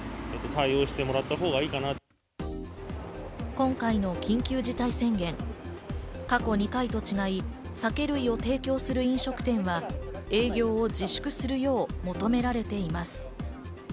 今回の緊急事態宣言、過去２回と違い、酒類を提供する飲食店は営業を自粛するよう求められています。